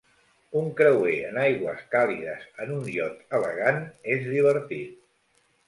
Un creuer en aigües càlides en un iot elegant és divertit.